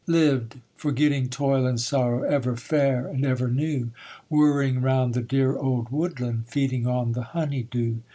'Lived, forgetting toil and sorrow, Ever fair and ever new; Whirring round the dear old woodland, Feeding on the honey dew.